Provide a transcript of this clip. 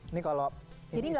ini kalau ini bisa